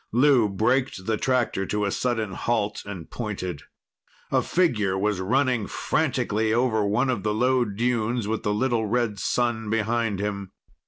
Lou braked the tractor to a sudden halt, and pointed. A figure was running frantically over one of the low dunes with the little red sun behind him.